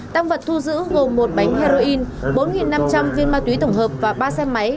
tăng vật thu giữ gồm một bánh heroin bốn năm trăm linh viên ma túy tổng hợp và ba xe máy